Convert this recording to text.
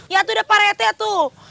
ya udah pak rete tuh